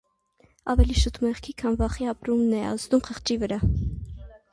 Ավելի շուտ մեղքի, քան վախի ապրումն է ազդում խղճի վրա։